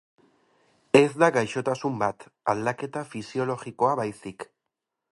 Ez da gaixotasun bat, aldaketa fisiologikoa baizik.